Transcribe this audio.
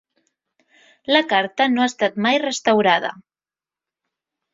La Carta no ha estat mai restaurada.